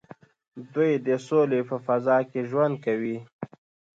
دوی د سولې په فضا کې ژوند کوي.